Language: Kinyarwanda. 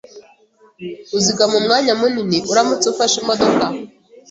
Uzigama umwanya munini uramutse ufashe imodoka.